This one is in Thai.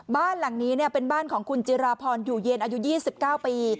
บ้านหลังนี้เป็นบ้านของคุณจิราพรอยู่เย็นอายุ๒๙ปี